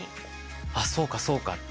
あっそうかそうかって。